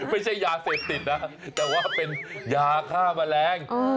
ไม่ใช่ยาเสพติดนะแต่ว่าเป็นยาฆ่าแมลง